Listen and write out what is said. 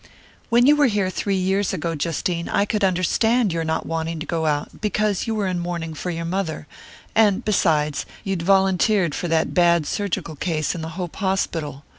"When you were here three years ago, Justine, I could understand your not wanting to go out, because you were in mourning for your mother and besides, you'd volunteered for that bad surgical case in the Hope Hospital.